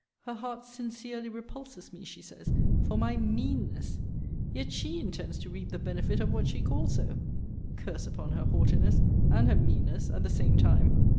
'Her heart sincerely repulses me, she says, for my MEANNESS!' Yet she intends to reap the benefit of what she calls so! Curse upon her haughtiness, and her meanness, at the same time!